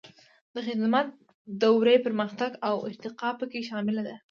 د خدمت دورې پرمختګ او ارتقا پکې شامله ده.